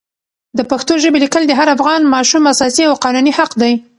د پښتو ژبې لیکل د هر افغان ماشوم اساسي او قانوني حق دی.